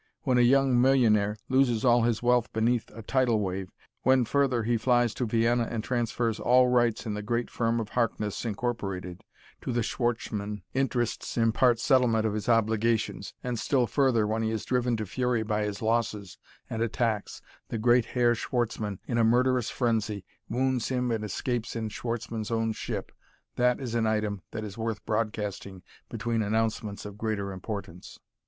When a young millionaire loses all his wealth beneath a tidal wave; when, further, he flies to Vienna and transfers all rights in the great firm of Harkness, Incorporated, to the Schwartzmann interests in part settlement of his obligations; and, still further, when he is driven to fury by his losses and attacks the great Herr Schwartzmann in a murderous frenzy, wounds him and escapes in Schwartzmann's own ship that is an item that is worth broadcasting between announcements of greater importance.